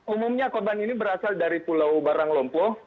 umumnya korban ini berasal dari pulau barang lompoh